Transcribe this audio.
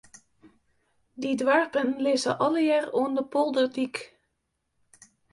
Dy doarpen lizze allegear oan de polderdyk.